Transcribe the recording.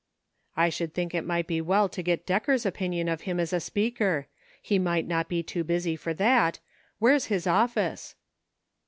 " I should think it might be well to get Decker's opinion of him as a speaker ; he might not be too busy for that. Where's his office